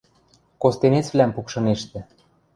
Костенецвлӓм пукшынештӹ...